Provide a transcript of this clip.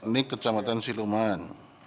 nik kejamatan siluman